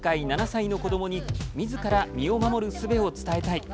７歳の子どもにみずから身を守るすべを伝えたい。